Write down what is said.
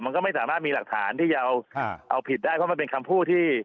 มันก็ไม่สามารถมีหลักฐานที่จะเอาผิดได้เพราะมันเป็นคำพูดที่